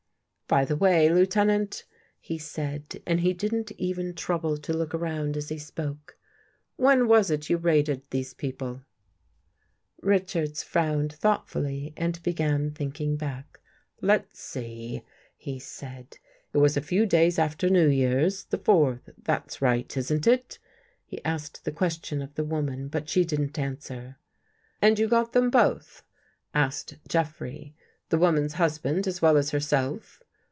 " By the way. Lieutenant," he said, and he didn't even trouble to look around as he spoke, " when was it you raided these people? " 135 THE GHOST GIRL Richards frowned thoughtfully and began think ing back. " Let's see," he said. " It was a few days after New Year's — the fourth — That's right, isn't it? " He asked the question of the woman, but she didn't answer. " And you got them both? " asked Jeffrey. " The woman's husband as well as herself?